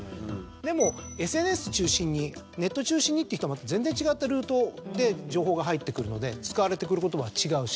でもＳＮＳ中心にネット中心にって人はまた全然違ったルートで情報が入ってくるので使われてくる言葉は違うし。